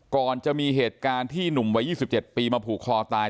ก่อนจะมีเหตุการณ์ที่หนุ่มวัย๒๗ปีมาผูกคอตาย